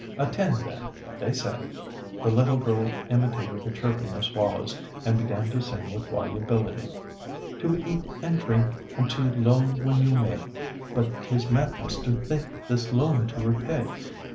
"Attend then: they say " the little girl imitated the chirping of swallows, and began to sing with volubility: "To eat and to drink! And to loan when you may; But 'tis madness to think This loan to repay.